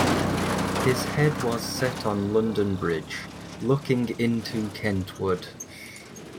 His head was set on London Bridge, 'looking into Kentward'.